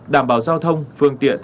đảm bảo giao thông phương tiện